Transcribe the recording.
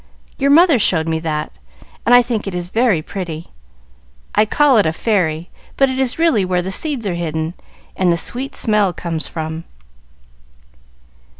Your mother showed me that, and I think it is very pretty. I call it a 'fairy,' but it is really where the seeds are hidden and the sweet smell comes from."